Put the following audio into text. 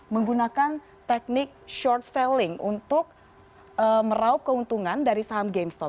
menggunakan teknik short selling untuk meraup keuntungan dari saham gamestop